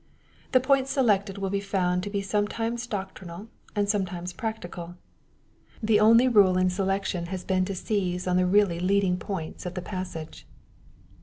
The points selected will be found to be sometimes doctrinal, and sometimes practical The only rule in selection has been to seize on the really leading points of the passage.